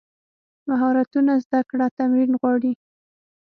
مهارتونه زده کړه تمرین غواړي.